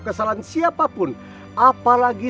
kesalahan siapapun apalagi